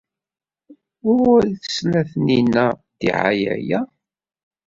Wuɣur ay tesla Taninna ddiɛaya-a?